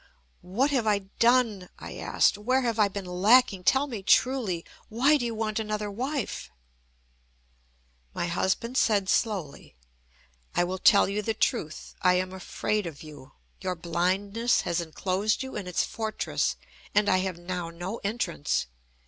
"What have I done?" I asked. "Where have I been lacking? Tell me truly. Why do you want another wife?" My husband said slowly: "I will tell you the truth. I am afraid of you. Your blindness has enclosed you in its fortress, and I have now no entrance.